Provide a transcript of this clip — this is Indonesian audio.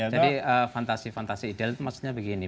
jadi fantasi fantasi ideal itu maksudnya begini